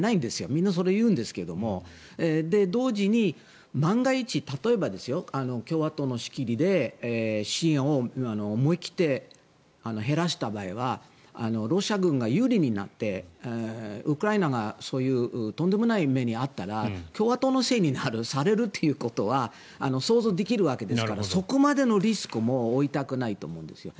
みんなそれを言うんですが同時に万が一、例えば共和党の仕切りで支援を思い切って減らした場合はロシア軍が有利になってウクライナがそういうとんでもない目に遭ったら共和党のせいになるされるということは想像できるわけですからそこまでのリスクも負いたくないと思うんですよ。